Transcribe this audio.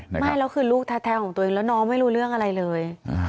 ไม่แล้วคือลูกแท้ของตัวเองแล้วน้องไม่รู้เรื่องอะไรเลย